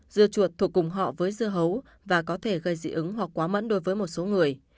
dưa chuột thuộc cùng họ với dưa hấu và có thể gây dị ứng hoặc quá mẫn đối với một số người